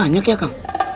banyak ya kang